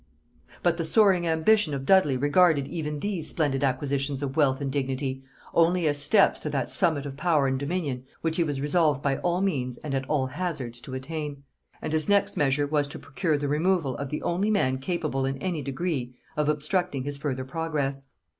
But the soaring ambition of Dudley regarded even these splendid acquisitions of wealth and dignity only as steps to that summit of power and dominion which he was resolved by all means and at all hazards to attain; and his next measure was to procure the removal of the only man capable in any degree of obstructing his further progress.